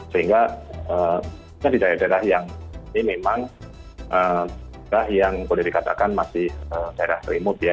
sehingga di daerah daerah yang ini memang daerah yang boleh dikatakan masih daerah remote ya